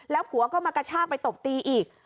ผัวก็มากระชากไปตบตีอีก